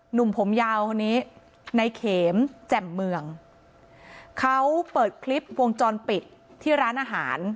หนุ่มผมยาวคนนี้ในเขมแจ่มเมืองเขาเปิดคลิปวงจรปิดที่ร้านอาหาร